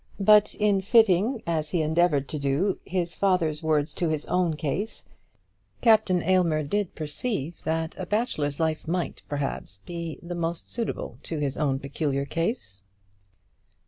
But in fitting, as he endeavoured to do, his father's words to his own case, Captain Aylmer did perceive that a bachelor's life might perhaps be the most suitable to his own peculiar case.